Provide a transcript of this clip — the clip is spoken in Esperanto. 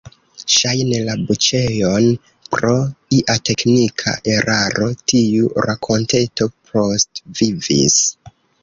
Ŝajne, la buĉejon pro ia teknika eraro tiu rakonteto postvivis.